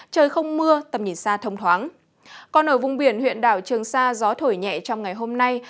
trời không mưa tầm nhìn xa thông thoáng còn ở vùng biển huyện đảo trường sa gió thổi nhẹ trong ngày hôm nay